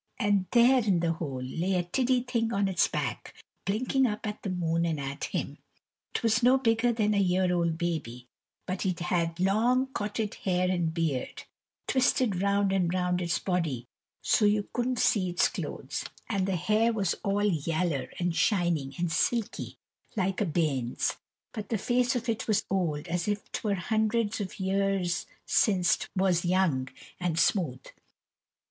And there in the hole lay a tiddy thing on its back, blinking up at the moon and at him. 'T was no bigger than a year old baby, but it had long cotted hair and beard, twisted round and round its body so that you couldn't see its clothes; and the hair was all yaller and shining and silky, like a bairn's; but the face of it was old and as if 't were hundreds of years since 't was young and smooth.